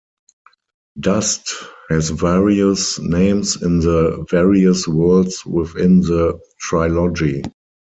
Dust has various names in the various worlds within the trilogy.